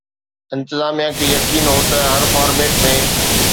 انتظاميا کي يقين هو ته هر فارميٽ ۾